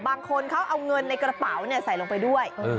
บางคนเขาเอาเงินในกระเป๋าใส่ลงไปด้วย